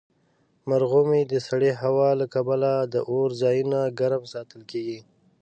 مرغومی د سړې هوا له کبله د اور ځایونه ګرم ساتل کیږي.